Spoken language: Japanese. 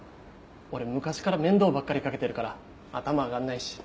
俺昔から面倒ばっかりかけてるから頭上がんないし。